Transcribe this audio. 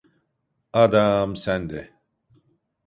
Adaaam sen de!